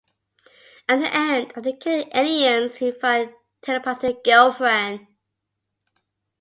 At the end, after killing the aliens, he finds a telepathic girlfriend.